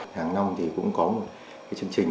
tháng năm thì cũng có một chương trình